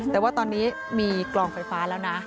แต่ว่าตอนนี้มีกลองไฟฟ้าแล้วนะ